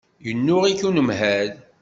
Yennuɣ-ik unemhal.